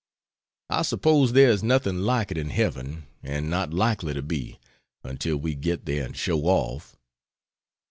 I suppose there is nothing like it in heaven; and not likely to be, until we get there and show off.